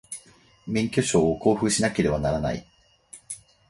免許証を交付しなければならない